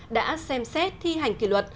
đã xem xét thi hành kỷ luật